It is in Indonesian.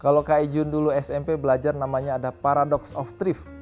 kalau kak ijun dulu smp belajar namanya ada paradox of thrift